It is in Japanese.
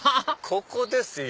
ここですよ